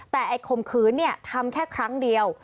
แต่คมคืนทำแค่ครั้งเดียว